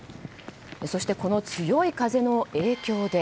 そして、この強い風の影響で。